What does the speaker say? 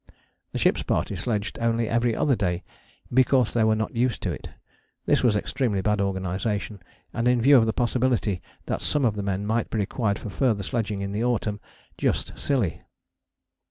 The ship's party sledged only every other day "because they were not used to it." This was extremely bad organization, and in view of the possibility that some of the men might be required for further sledging in the autumn, just silly.